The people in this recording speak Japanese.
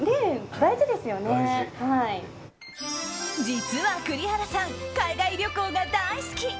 実は栗原さん海外旅行が大好き。